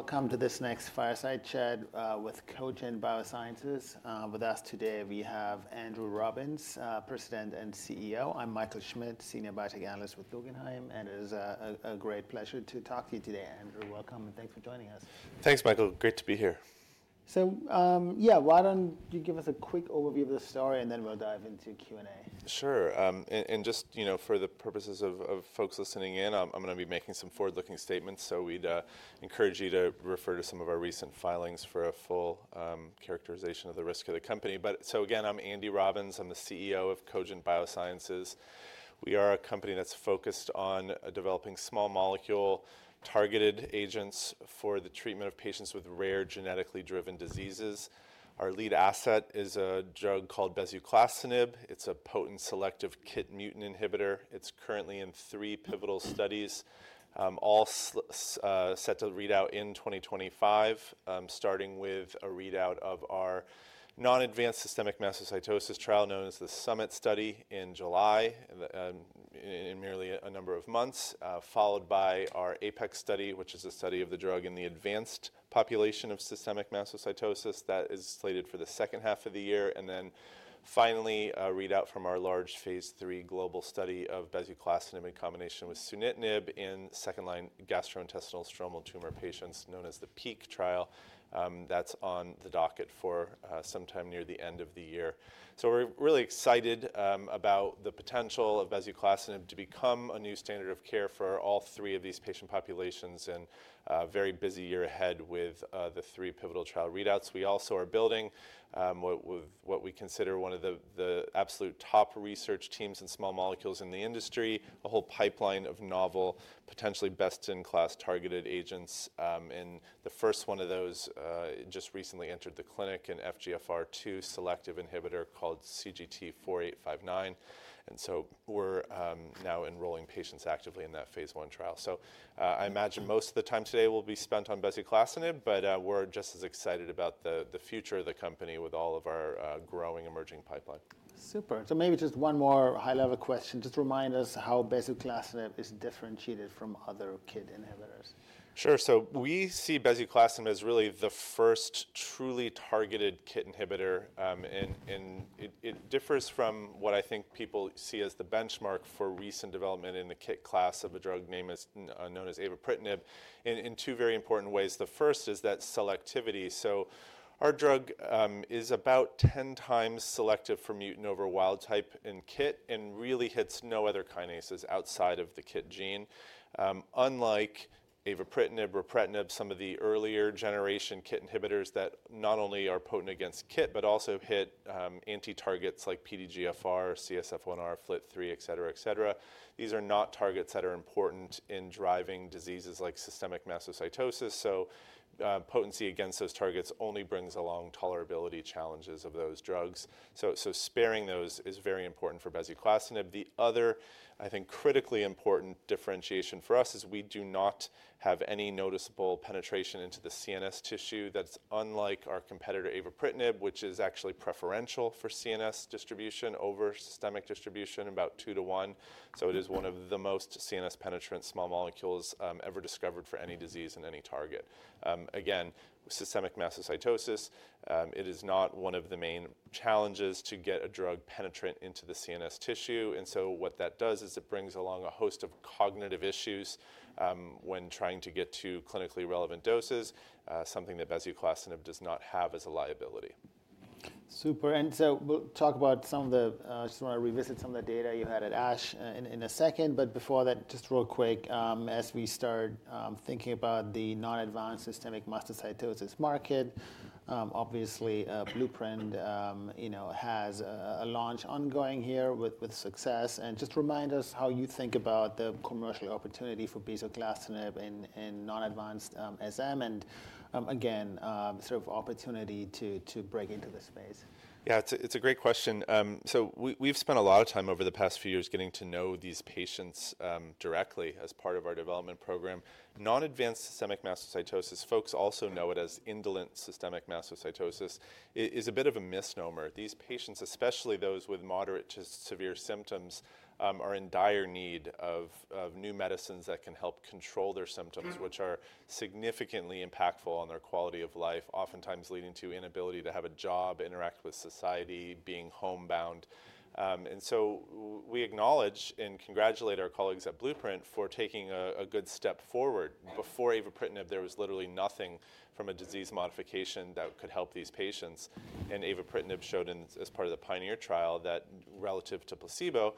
Welcome to this next Fireside Chat with Cogent Biosciences. With us today, we have Andrew Robbins, President and CEO. I'm Michael Schmidt, Senior Biotech Analyst with Guggenheim, and it is a great pleasure to talk to you today, Andrew. Welcome, and thanks for joining us. Thanks, Michael. Great to be here. Yeah, why don't you give us a quick overview of the story, and then we'll dive into Q&A. Sure. And just, you know, for the purposes of folks listening in, I'm going to be making some forward-looking statements, so we'd encourage you to refer to some of our recent filings for a full characterization of the risk of the company. But, so again, I'm Andy Robbins. I'm the CEO of Cogent Biosciences. We are a company that's focused on developing small molecule targeted agents for the treatment of patients with rare genetically driven diseases. Our lead asset is a drug called bezuclastinib. It's a potent selective KIT mutant inhibitor. It's currently in three pivotal studies, all set to read out in 2025, starting with a readout of our non-advanced systemic mastocytosis trial, known as the SUMMIT study, in July, in merely a number of months, followed by our APEX study, which is a study of the drug in the advanced population of systemic mastocytosis. That is slated for the second half of the year. And then finally, a readout from our large phase III global study of bezuclastinib in combination with sunitinib in second-line gastrointestinal stromal tumor patients, known as the PEAK trial. That's on the docket for sometime near the end of the year. So we're really excited about the potential of bezuclastinib to become a new standard of care for all three of these patient populations and a very busy year ahead with the three pivotal trial readouts. We also are building what we consider one of the absolute top research teams in small molecules in the industry, a whole pipeline of novel, potentially best-in-class targeted agents. And the first one of those just recently entered the clinic, an FGFR2 selective inhibitor called CGT4859. And so we're now enrolling patients actively in that phase I trial. So I imagine most of the time today will be spent on bezuclastinib, but we're just as excited about the future of the company with all of our growing emerging pipeline. Super. So maybe just one more high-level question. Just remind us how bezuclastinib is differentiated from other KIT inhibitors? Sure. We see bezuclastinib as really the first truly targeted KIT inhibitor. It differs from what I think people see as the benchmark for recent development in the KIT class of a drug known as avapritinib in two very important ways. The first is that selectivity. Our drug is about 10 times selective for mutant over wild type in KIT and really hits no other kinases outside of the KIT gene. Unlike avapritinib, ripretinib, some of the earlier generation KIT inhibitors that not only are potent against KIT, but also hit anti-targets like PDGFR, CSF1R, FLT3, et cetera, et cetera, these are not targets that are important in driving diseases like systemic mastocytosis. Potency against those targets only brings along tolerability challenges of those drugs. Sparing those is very important for bezuclastinib. The other, I think, critically important differentiation for us is we do not have any noticeable penetration into the CNS tissue. That's unlike our competitor avapritinib, which is actually preferential for CNS distribution over systemic distribution, about two to one. So it is one of the most CNS penetrant small molecules ever discovered for any disease and any target. Again, systemic mastocytosis, it is not one of the main challenges to get a drug penetrant into the CNS tissue, and so what that does is it brings along a host of cognitive issues when trying to get to clinically relevant doses, something that bezuclastinib does not have as a liability. Super. And so we'll talk about some of the, just want to revisit some of the data you had at ASH in a second. But before that, just real quick, as we start thinking about the non-advanced systemic mastocytosis market, obviously, Blueprint has a launch ongoing here with success. And just remind us how you think about the commercial opportunity for bezuclastinib in non-advanced SM and, again, sort of opportunity to break into the space. Yeah, it's a great question. So we've spent a lot of time over the past few years getting to know these patients directly as part of our development program. Non-advanced systemic mastocytosis, folks also know it as indolent systemic mastocytosis, is a bit of a misnomer. These patients, especially those with moderate to severe symptoms, are in dire need of new medicines that can help control their symptoms, which are significantly impactful on their quality of life, oftentimes leading to inability to have a job, interact with society, being homebound. And so we acknowledge and congratulate our colleagues at Blueprint for taking a good step forward. Before avapritinib, there was literally nothing from a disease modification that could help these patients. And avapritinib showed, as part of the PIONEER trial, that relative to placebo,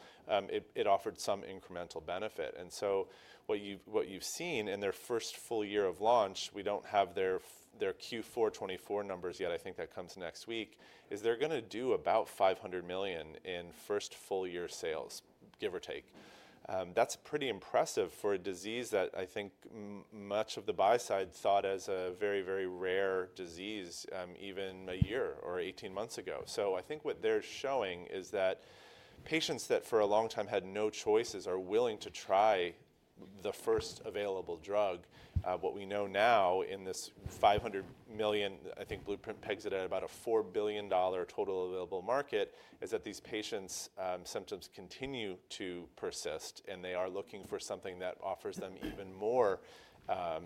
it offered some incremental benefit. And so, what you've seen in their first full year of launch (we don't have their Q4 2024 numbers yet. I think that comes next week) is they're going to do about $500 million in first full year sales, give or take. That's pretty impressive for a disease that I think much of the buy side thought as a very, very rare disease, even a year or 18 months ago. So I think what they're showing is that patients that for a long time had no choices are willing to try the first available drug. What we know now in this $500 million (I think Blueprint pegs it at about a $4 billion total available market) is that these patients' symptoms continue to persist, and they are looking for something that offers them even more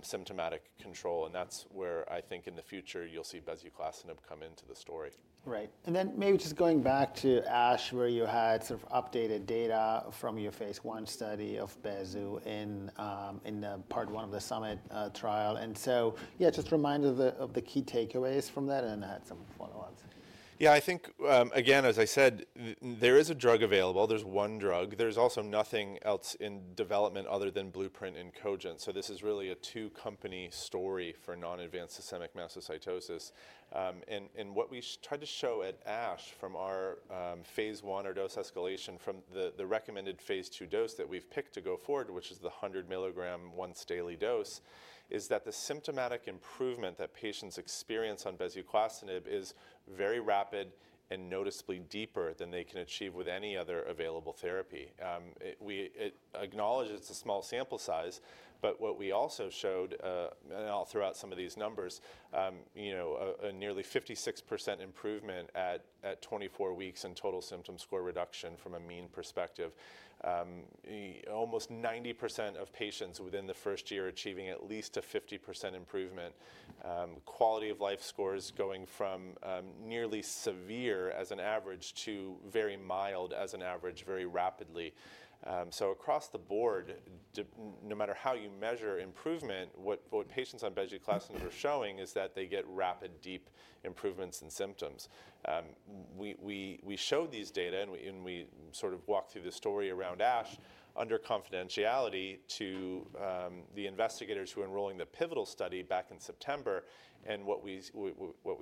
symptomatic control. And that's where I think in the future you'll see bezuclastinib come into the story. Right. And then maybe just going back to ASH, where you had sort of updated data from your phase I study of Bezu in part one of the SUMMIT trial. And so, yeah, just remind us of the key takeaways from that and then add some follow-ups. Yeah, I think, again, as I said, there is a drug available. There's one drug. There's also nothing else in development other than Blueprint and Cogent. So this is really a two-company story for non-advanced systemic mastocytosis, and what we tried to show at ASH from our phase I or dose escalation from the recommended phase II dose that we've picked to go forward, which is the 100 milligram once-daily dose, is that the symptomatic improvement that patients experience on bezuclastinib is very rapid and noticeably deeper than they can achieve with any other available therapy. We acknowledge it's a small sample size, but what we also showed, and I'll throw out some of these numbers, a nearly 56% improvement at 24 weeks in total symptom score reduction from a mean perspective. Almost 90% of patients within the first year achieving at least a 50% improvement. Quality of life scores going from nearly severe as an average to very mild as an average very rapidly, so across the board, no matter how you measure improvement, what patients on bezuclastinib are showing is that they get rapid, deep improvements in symptoms. We showed these data, and we sort of walked through the story around ASH under confidentiality to the investigators who were enrolling the pivotal study back in September, and what we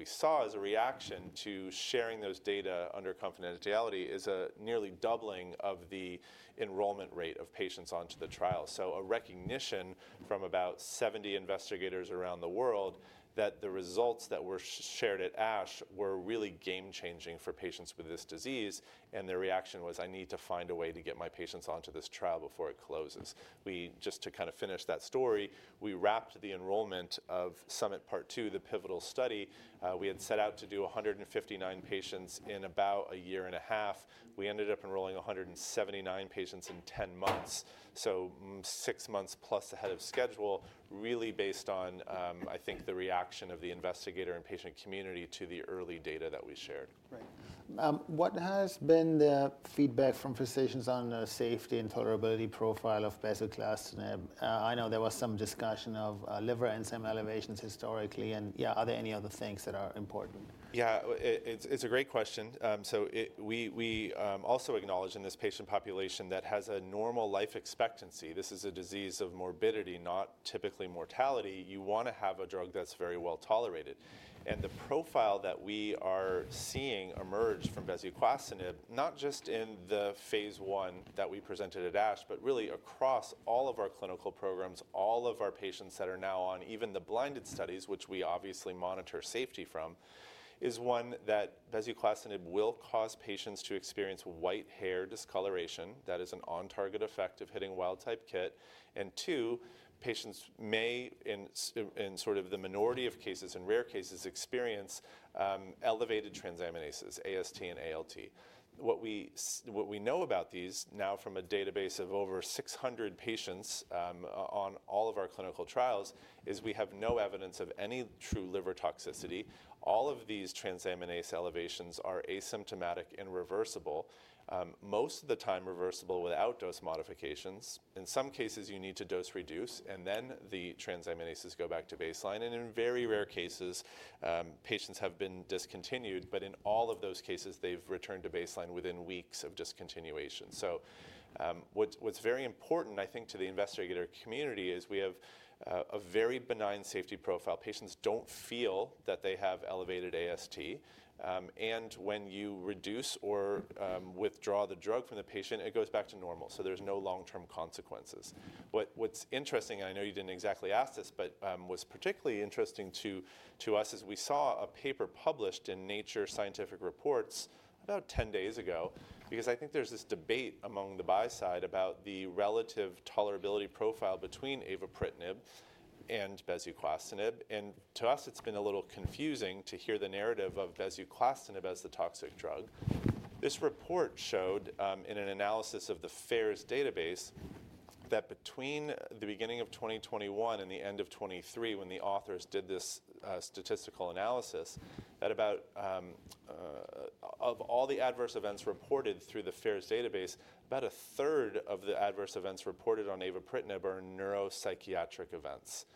saw as a reaction to sharing those data under confidentiality is a nearly doubling of the enrollment rate of patients onto the trial, so a recognition from about 70 investigators around the world that the results that were shared at ASH were really game-changing for patients with this disease. And their reaction was, "I need to find a way to get my patients onto this trial before it closes." Just to kind of finish that story, we wrapped the enrollment of SUMMIT Part 2, the pivotal study. We had set out to do 159 patients in about a year and a half. We ended up enrolling 179 patients in 10 months. So 6 months plus ahead of schedule, really based on, I think, the reaction of the investigator and patient community to the early data that we shared. Right. What has been the feedback from physicians on the safety and tolerability profile of bezuclastinib? I know there was some discussion of liver enzyme elevations historically. And yeah, are there any other things that are important? Yeah, it's a great question. So we also acknowledge in this patient population that has a normal life expectancy. This is a disease of morbidity, not typically mortality. You want to have a drug that's very well tolerated. And the profile that we are seeing emerge from bezuclastinib, not just in the phase I that we presented at ASH, but really across all of our clinical programs, all of our patients that are now on even the blinded studies, which we obviously monitor safety from, is one that bezuclastinib will cause patients to experience white hair discoloration. That is an on-target effect of hitting wild-type KIT. And two, patients may, in sort of the minority of cases, in rare cases, experience elevated transaminases, AST and ALT. What we know about these now from a database of over 600 patients on all of our clinical trials is we have no evidence of any true liver toxicity. All of these transaminase elevations are asymptomatic and reversible, most of the time reversible without dose modifications. In some cases, you need to dose reduce, and then the transaminases go back to baseline. And in very rare cases, patients have been discontinued. But in all of those cases, they've returned to baseline within weeks of discontinuation. So what's very important, I think, to the investigator community is we have a very benign safety profile. Patients don't feel that they have elevated AST. And when you reduce or withdraw the drug from the patient, it goes back to normal. So there's no long-term consequences. What's interesting, and I know you didn't exactly ask this, but what's particularly interesting to us is we saw a paper published in Nature Scientific Reports about 10 days ago, because I think there's this debate among the buy side about the relative tolerability profile between avapritinib and bezuclastinib. And to us, it's been a little confusing to hear the narrative of bezuclastinib as the toxic drug. This report showed in an analysis of the FAERS database that between the beginning of 2021 and the end of 2023, when the authors did this statistical analysis, about a third of the adverse events reported on avapritinib are neuropsychiatric events.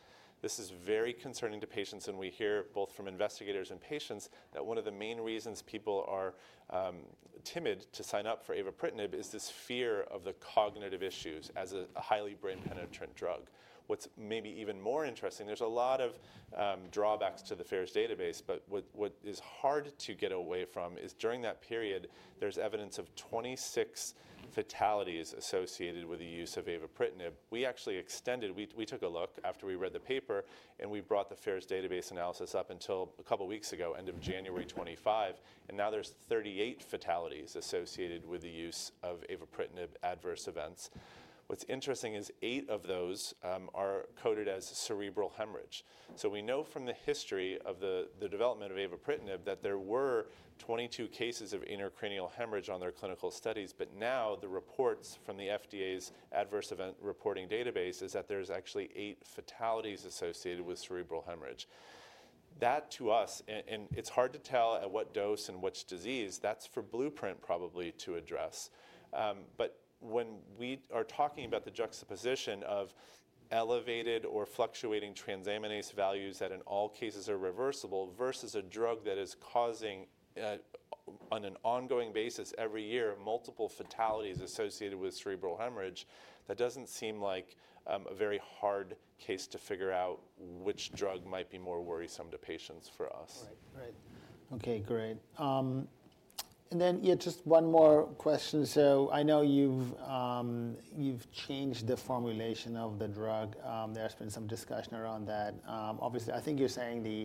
This is very concerning to patients. We hear both from investigators and patients that one of the main reasons people are timid to sign up for avapritinib is this fear of the cognitive issues as a highly brain-penetrating drug. What's maybe even more interesting, there's a lot of drawbacks to the FAERS database, but what is hard to get away from is during that period, there's evidence of 26 fatalities associated with the use of avapritinib. We actually extended, we took a look after we read the paper, and we brought the FAERS database analysis up until a couple of weeks ago, end of January 2025. And now there's 38 fatalities associated with the use of avapritinib adverse events. What's interesting is eight of those are coded as cerebral hemorrhage. We know from the history of the development of avapritinib that there were 22 cases of intracranial hemorrhage on their clinical studies. But now, the reports from the FDA's adverse event reporting database is that there's actually eight fatalities associated with cerebral hemorrhage. That, to us, and it's hard to tell at what dose and which disease, that's for Blueprint probably to address. But when we are talking about the juxtaposition of elevated or fluctuating transaminase values that in all cases are reversible versus a drug that is causing on an ongoing basis every year multiple fatalities associated with cerebral hemorrhage, that doesn't seem like a very hard case to figure out which drug might be more worrisome to patients for us. Right. Right. Okay, great. And then just one more question. So I know you've changed the formulation of the drug. There has been some discussion around that. Obviously, I think you're saying the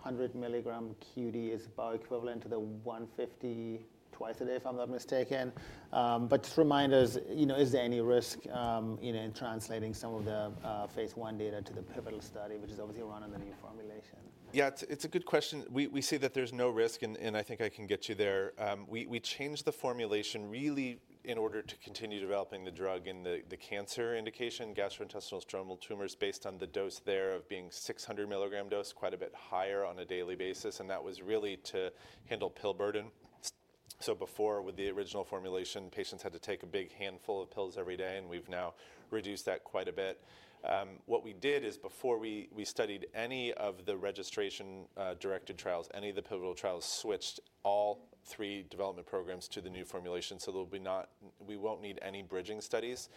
100 milligram QD is about equivalent to the 150 twice a day, if I'm not mistaken. But just remind us, is there any risk in translating some of the phase I data to the pivotal study, which is obviously run on the new formulation? Yeah, it's a good question. We see that there's no risk, and I think I can get you there. We changed the formulation really in order to continue developing the drug in the cancer indication, gastrointestinal stromal tumors, based on the dose there being 600-milligram dose, quite a bit higher on a daily basis, and that was really to handle pill burden. Before, with the original formulation, patients had to take a big handful of pills every day, and we've now reduced that quite a bit. What we did is, before we studied any of the registration-directed trials, any of the pivotal trials, switched all three development programs to the new formulation. We won't need any bridging studies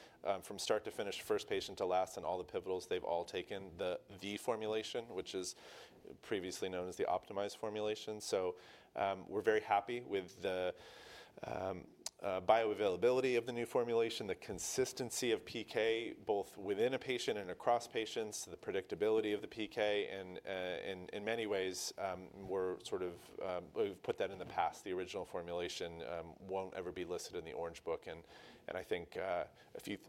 from start to finish, first patient to last, and all the pivotals. They've all taken the V formulation, which is previously known as the optimized formulation. So we're very happy with the bioavailability of the new formulation, the consistency of PK both within a patient and across patients, the predictability of the PK, and in many ways, we've put that in the past. The original formulation won't ever be listed in the Orange Book, and I think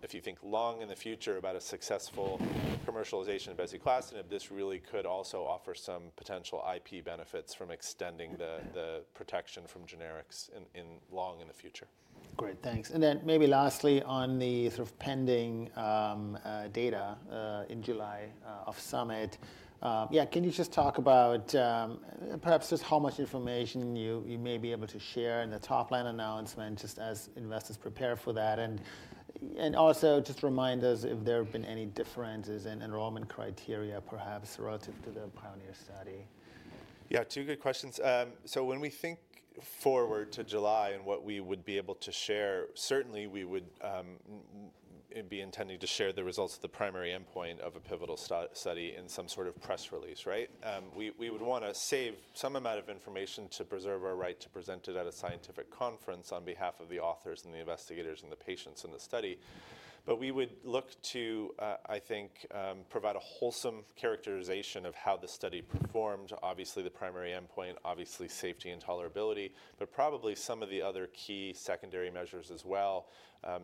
if you think long into the future about a successful commercialization of bezuclastinib, this really could also offer some potential IP benefits from extending the protection from generics in the long into the future. Great. Thanks. And then maybe lastly, on the sort of pending data in July of SUMMIT, yeah, can you just talk about perhaps just how much information you may be able to share in the top line announcement just as investors prepare for that, and also just remind us if there have been any differences in enrollment criteria, perhaps relative to the PIONEER study? Yeah, two good questions. So when we think forward to July and what we would be able to share, certainly we would be intending to share the results of the primary endpoint of a pivotal study in some sort of press release, right? We would want to save some amount of information to preserve our right to present it at a scientific conference on behalf of the authors and the investigators and the patients in the study. But we would look to, I think, provide a wholesome characterization of how the study performed, obviously the primary endpoint, obviously safety and tolerability, but probably some of the other key secondary measures as well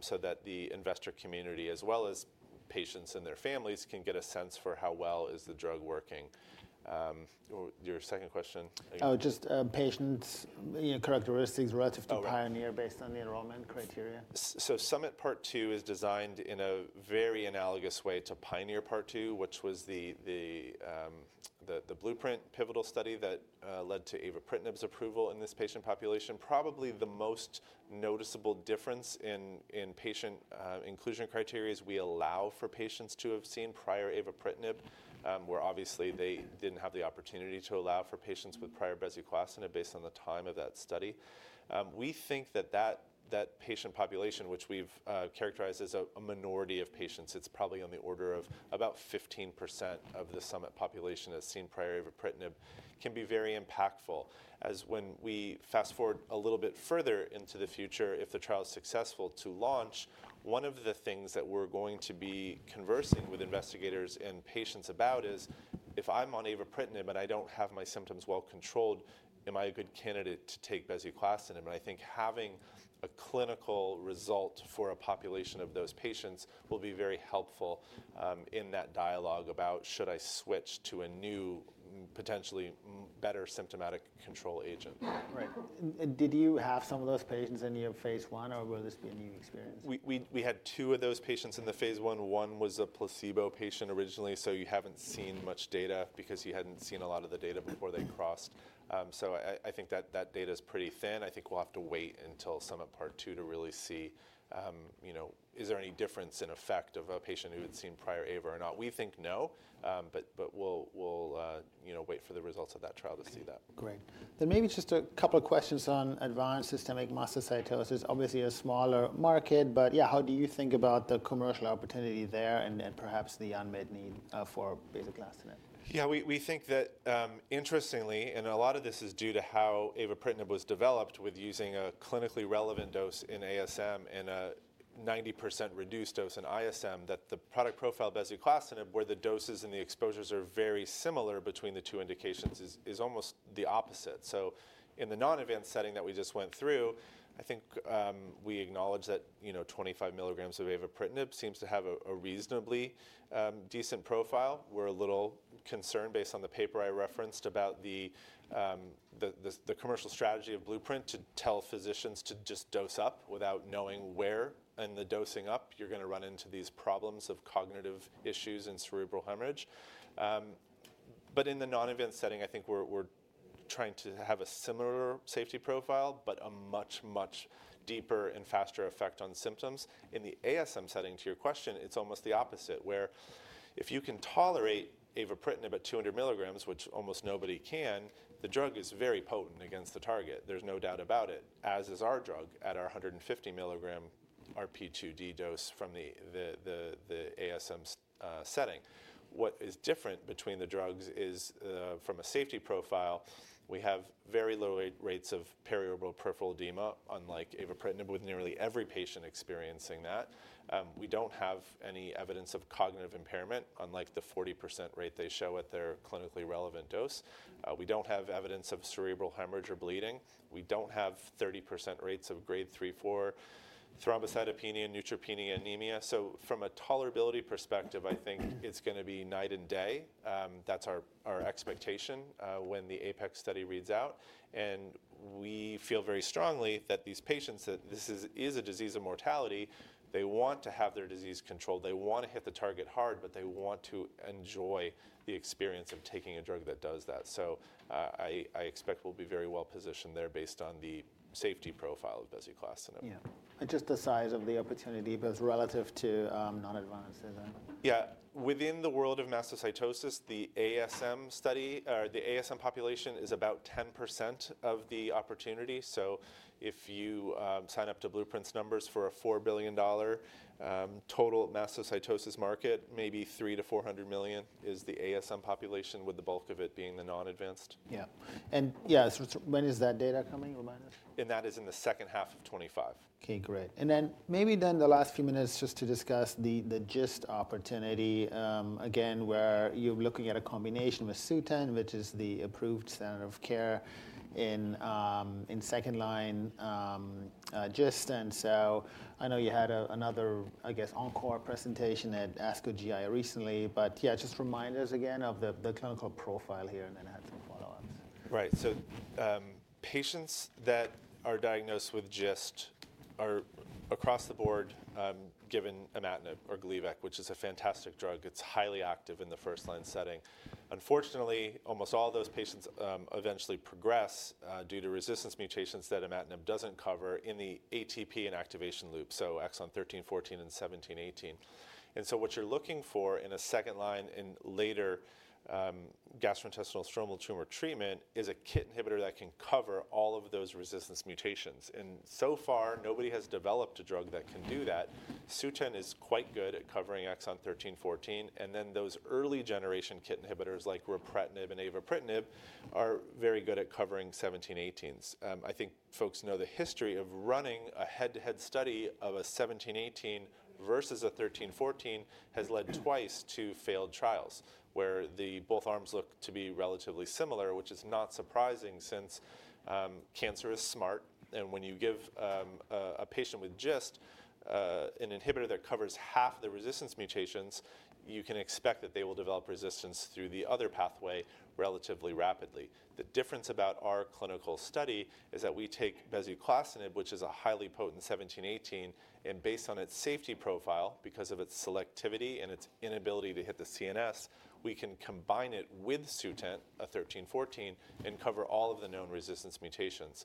so that the investor community, as well as patients and their families, can get a sense for how well is the drug working. Your second question. Oh, just patient characteristics relative to PIONEER based on the enrollment criteria. SUMMIT Part 2 is designed in a very analogous way to PIONEER Part 2, which was the blueprint pivotal study that led to avapritinib's approval in this patient population. Probably the most noticeable difference in patient inclusion criteria is we allow for patients to have seen prior avapritinib, where obviously they didn't have the opportunity to allow for patients with prior bezuclastinib based on the time of that study. We think that that patient population, which we've characterized as a minority of patients, it's probably on the order of about 15% of the SUMMIT population that has seen prior avapritinib, can be very impactful. And when we fast forward a little bit further into the future, if the trial is successful to launch, one of the things that we're going to be conversing with investigators and patients about is if I'm on avapritinib and I don't have my symptoms well controlled, am I a good candidate to take bezuclastinib? And I think having a clinical result for a population of those patients will be very helpful in that dialogue about should I switch to a new, potentially better symptomatic control agent. Right. Did you have some of those patients in your phase I or will this be a new experience? We had two of those patients in the phase I. One was a placebo patient originally. So you haven't seen much data because you hadn't seen a lot of the data before they crossed. So I think that data is pretty thin. I think we'll have to wait until SUMMIT Part II to really see is there any difference in effect of a patient who had seen prior Ava or not. We think no, but we'll wait for the results of that trial to see that. Great, then maybe just a couple of questions on Advanced Systemic Mastocytosis. Obviously, a smaller market, but yeah, how do you think about the commercial opportunity there and perhaps the unmet need for bezuclastinib? Yeah, we think that interestingly, and a lot of this is due to how avapritinib was developed with using a clinically relevant dose in ASM and a 90% reduced dose in ISM, that the product profile of bezuclastinib, where the doses and the exposures are very similar between the two indications, is almost the opposite. So in the non-advanced setting that we just went through, I think we acknowledge that 25 milligrams of avapritinib seems to have a reasonably decent profile. We're a little concerned based on the paper I referenced about the commercial strategy of Blueprint to tell physicians to just dose up without knowing where in the dosing up you're going to run into these problems of cognitive issues and cerebral hemorrhage. But in the non-advanced setting, I think we're trying to have a similar safety profile, but a much, much deeper and faster effect on symptoms. In the ASM setting, to your question, it's almost the opposite, where if you can tolerate avapritinib at 200 milligrams, which almost nobody can, the drug is very potent against the target. There's no doubt about it, as is our drug at our 150 milligram RP2D dose from the ASM setting. What is different between the drugs is from a safety profile, we have very low rates of periorbital peripheral edema, unlike avapritinib, with nearly every patient experiencing that. We don't have any evidence of cognitive impairment, unlike the 40% rate they show at their clinically relevant dose. We don't have evidence of cerebral hemorrhage or bleeding. We don't have 30% rates of grade 3, 4 thrombocytopenia, neutropenia, anemia. So from a tolerability perspective, I think it's going to be night and day. That's our expectation when the APEX study reads out. We feel very strongly that these patients, this is a disease of mortality. They want to have their disease controlled. They want to hit the target hard, but they want to enjoy the experience of taking a drug that does that. I expect we'll be very well positioned there based on the safety profile of bezuclastinib. Yeah, and just the size of the opportunity relative to non-advanced. Yeah. Within the world of mastocytosis, the ASM population is about 10% of the opportunity. So if you sign up to Blueprint's numbers for a $4 billion total mastocytosis market, maybe $300-$400 million is the ASM population, with the bulk of it being the non-advanced. Yeah. And yeah, when is that data coming? Remind us. That is in the second half of 2025. Okay, great. And then maybe then the last few minutes just to discuss the GIST opportunity, again, where you're looking at a combination with Sutent, which is the approved standard of care in second-line GIST. And so I know you had another, I guess, encore presentation at ASCO GI recently. But yeah, just remind us again of the clinical profile here and then add some follow-ups. Right. So patients that are diagnosed with GIST are across the board given imatinib or Gleevec, which is a fantastic drug. It's highly active in the first-line setting. Unfortunately, almost all those patients eventually progress due to resistance mutations that imatinib doesn't cover in the ATP and activation loop, so exon 13, 14, and 17, 18. And so what you're looking for in a second-line and later gastrointestinal stromal tumor treatment is a KIT inhibitor that can cover all of those resistance mutations. And so far, nobody has developed a drug that can do that. Sutent is quite good at covering exon 13, 14. And then those early generation KIT inhibitors like ripretinib and avapritinib are very good at covering 17, 18s. I think folks know the history of running a head-to-head study of a 17, 18 versus a 13, 14 has led twice to failed trials, where both arms look to be relatively similar, which is not surprising since cancer is smart, and when you give a patient with GIST an inhibitor that covers half the resistance mutations, you can expect that they will develop resistance through the other pathway relatively rapidly. The difference about our clinical study is that we take bezuclastinib, which is a highly potent 17, 18, and based on its safety profile, because of its selectivity and its inability to hit the CNS, we can combine it with Sutent, a 13, 14, and cover all of the known resistance mutations.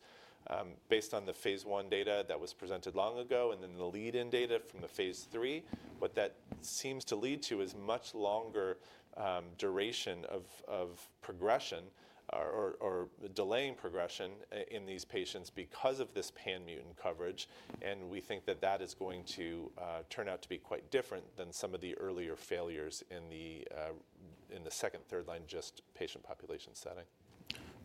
Based on the phase I data that was presented long ago and then the lead-in data from the phase III, what that seems to lead to is much longer duration of progression or delaying progression in these patients because of this pan-mutant coverage. And we think that that is going to turn out to be quite different than some of the earlier failures in the second, third-line GIST patient population setting.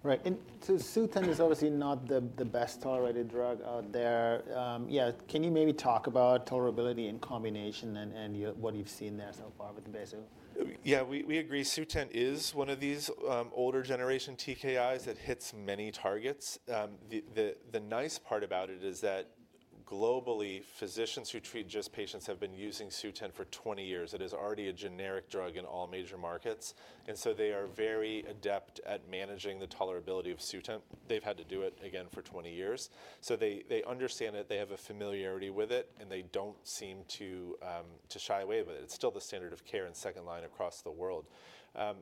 Right. And so Sutent is obviously not the best tolerated drug out there. Yeah, can you maybe talk about tolerability in combination and what you've seen there so far with Bezu? Yeah, we agree. Sutent is one of these older generation TKIs that hits many targets. The nice part about it is that globally, physicians who treat GIST patients have been using Sutent for 20 years. It is already a generic drug in all major markets. And so they are very adept at managing the tolerability of Sutent. They've had to do it again for 20 years. So they understand it. They have a familiarity with it. And they don't seem to shy away with it. It's still the standard of care in second line across the world.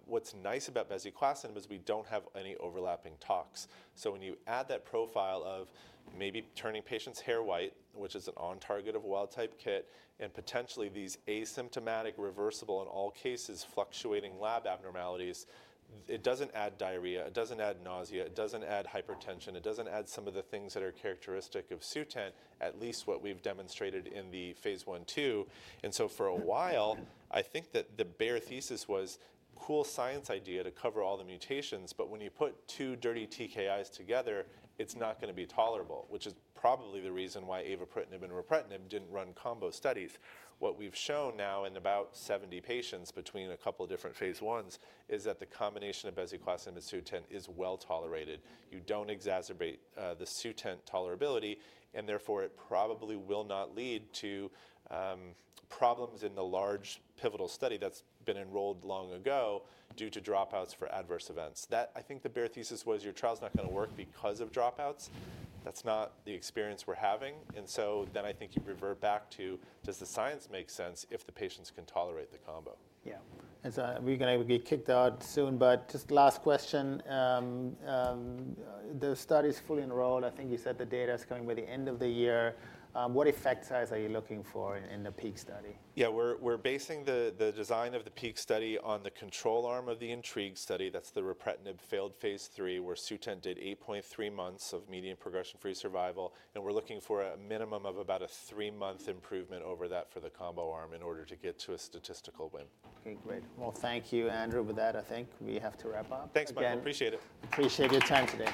What's nice about bezuclastinib is we don't have any overlapping talks. So when you add that profile of maybe turning patients' hair white, which is an on-target of wild-type KIT, and potentially these asymptomatic, reversible in all cases, fluctuating lab abnormalities, it doesn't add diarrhea. It doesn't add nausea. It doesn't add hypertension. It doesn't add some of the things that are characteristic of Sutent, at least what we've demonstrated in the phase I, II, and so for a while, I think that the bear thesis was cool science idea to cover all the mutations, but when you put two dirty TKIs together, it's not going to be tolerable, which is probably the reason why avapritinib and ripretinib didn't run combo studies. What we've shown now in about 70 patients between a couple of different phase I's is that the combination of bezuclastinib and Sutent is well tolerated. You don't exacerbate the Sutent tolerability. And therefore, it probably will not lead to problems in the large pivotal study that's been enrolled long ago due to dropouts for adverse events, that I think the bear thesis was your trial's not going to work because of dropouts. That's not the experience we're having. And so then I think you revert back to does the science make sense if the patients can tolerate the combo? Yeah, and so we're going to get kicked out soon, but just last question. The study is fully enrolled. I think you said the data is coming by the end of the year. What effect size are you looking for in the PEAK study? Yeah, we're basing the design of the PEAK study on the control arm of the INTRIGUE study. That's the ripretinib failed phase III, where Sutent did 8.3 months of median progression-free survival. And we're looking for a minimum of about a three-month improvement over that for the combo arm in order to get to a statistical win. Okay, great. Well, thank you, Andrew, with that. I think we have to wrap up. Thanks, Michael. Appreciate it. Appreciate your time today.